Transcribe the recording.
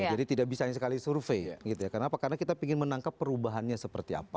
jadi tidak bisa sekali survei karena apa karena kita ingin menangkap perubahannya seperti apa